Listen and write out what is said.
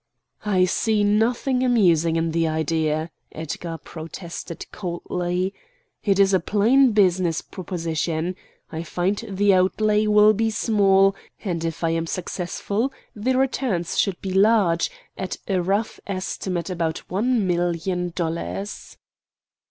"I see nothing amusing in the idea," Edgar protested coldly. "It is a plain business proposition. I find the outlay will be small, and if I am successful the returns should be large; at a rough estimate about one million dollars."